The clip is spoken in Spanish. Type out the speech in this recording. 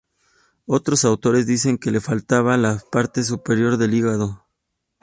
Otros autores dicen que le faltaba la parte superior del hígado.